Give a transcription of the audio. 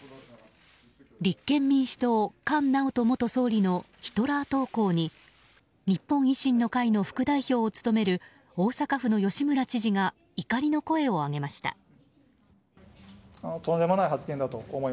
立憲民主党、菅直人元総理のヒトラー投稿に日本維新の会の副代表を務める大阪府の吉村知事が怒りの声を上げました。